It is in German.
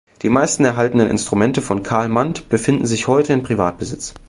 Die meisten erhaltenen Instrumente von Carl Mand befinden sich heute in Privatbesitz.